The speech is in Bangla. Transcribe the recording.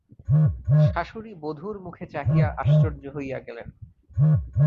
শাশুড়ী বধূর মুখের দিকে চাহিয়া আশ্চর্য হইয়া গেলেন।